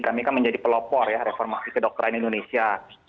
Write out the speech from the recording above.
kami kan menjadi pelopor ya reformasi kedokteran indonesia